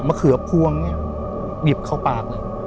เขือพวงเนี่ยหยิบเข้าปากเลย